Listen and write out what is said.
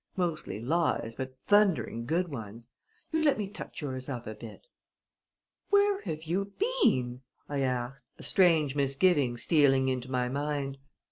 Mostly lies, but thundering good ones. You let me touch yours up a bit." "Where have you been?" I asked, a strange misgiving stealing into my mind.